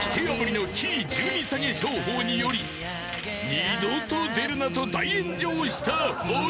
［二度と出るなと大炎上したほい］